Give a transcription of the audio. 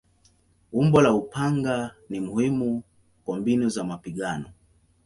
Umbo la upanga ni muhimu kwa mbinu za mapigano.